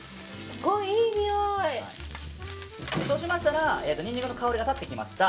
そうしましたらニンニクの香りが立ってきました。